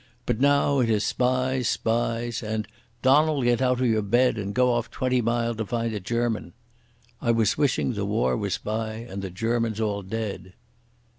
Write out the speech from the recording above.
But now it is spies, spies, and 'Donald, get out of your bed, and go off twenty mile to find a German.' I wass wishing the war wass by, and the Germans all dead."